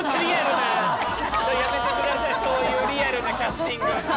やめてくださいそういうリアルなキャスティング。